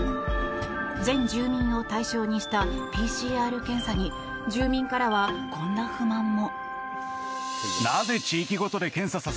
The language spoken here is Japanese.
全住民を対象にしたＰＣＲ検査に住民からはこんな不満も。